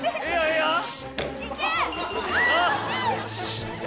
よし。